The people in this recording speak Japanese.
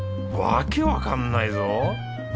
わけわかんないぞ！